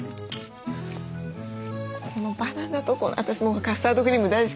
このバナナと私もうカスタードクリーム大好きなんですけど。